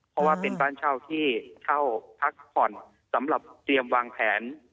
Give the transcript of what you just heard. เพราะว่าเป็นบ้านเช่าที่เข้าพักผ่อนสำหรับเตรียมวางแผน